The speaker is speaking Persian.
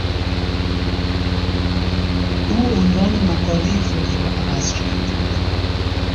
او عنوان مقالهی خود را عوض کرد.